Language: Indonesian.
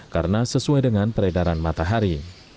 karena sesuai dengan peredaran matahari